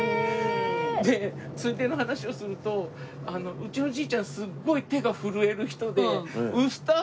でついでの話をするとうちのじいちゃんすっごい手が震える人で。